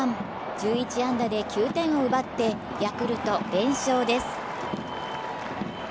１１安打で９点を奪ってヤクルト、連勝です。